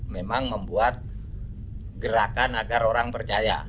memang membuat gerakan agar orang percaya